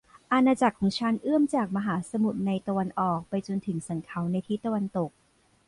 อาณาจักรของฉันเอื้อมจากมหาสมุทรในตะวันออกไปจนถึงสันเขาในทิศตะวันตก